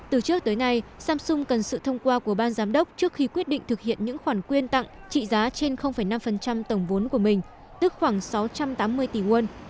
từ trước tới nay samsung cần sự thông qua của ban giám đốc trước khi quyết định thực hiện những khoản quyên tặng trị giá trên năm tổng vốn của mình tức khoảng sáu trăm tám mươi tỷ won